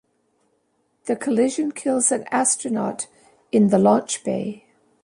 The collision kills an astronaut in the launch bay.